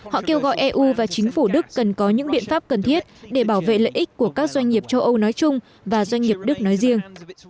họ kêu gọi eu và chính phủ đức cần có những biện pháp cần thiết để bảo vệ lợi ích của các doanh nghiệp châu âu nói chung và doanh nghiệp đức nói riêng